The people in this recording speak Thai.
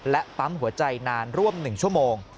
และปั๊มหัวใจนานร่วม๑ชั่วโมง